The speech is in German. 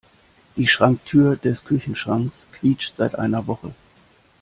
Die Schranktür des Küchenschranks quietscht seit einer Woche.